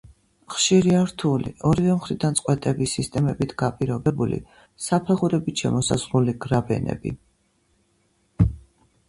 ხშირია რთული, ორივე მხრიდან წყვეტების სისტემებით გაპირობებული საფეხურებით შემოსაზღვრული გრაბენები.